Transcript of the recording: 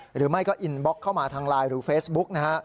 หรือไม่ก็อินบล็อกเข้ามาทางไลน์หรือเฟซบุ๊กนะฮะ